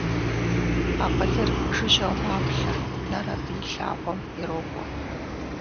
Акъылыр жыжьэу маплъэ, нэр абы и лъагъуэм ирокӏуэ.